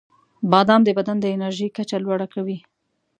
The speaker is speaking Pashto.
• بادام د بدن د انرژۍ کچه لوړه کوي.